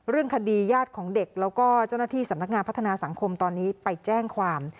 เรื่องคดีญาติของเด็กแล้วก็เจ้าหน้าที่สำนักงานพัฒนาสังคมตอนนี้ไปแจ้งความ